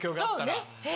そうね。